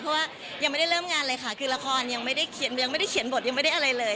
เพราะว่ายังไม่ได้เริ่มงานเลยค่ะคือละครยังไม่ได้เขียนยังไม่ได้เขียนบทยังไม่ได้อะไรเลย